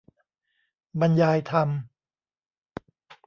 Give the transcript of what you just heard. บรรยายธรรม